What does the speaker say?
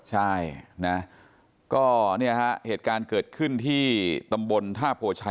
ใช่นะก็เนี่ยฮะเหตุการณ์เกิดขึ้นที่ตำบลท่าโพชัย